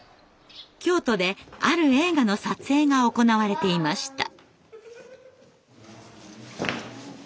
京都である映画の撮影が行われていました。